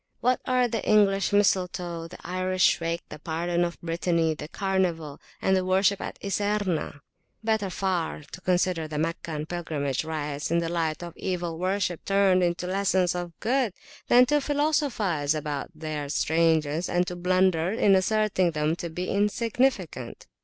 What are the English mistletoe, the Irish wake, the Pardon of Brittany, the Carnival, and the Worship at Iserna? Better far to consider the Meccan pilgrimage rites in the light of Evil worship turned into lessons of Good than to philosophize about their strangeness, and to blunder in asserting them to be insignificant.